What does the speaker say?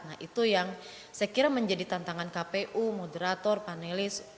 nah itu yang saya kira menjadi tantangan kpu moderator panelis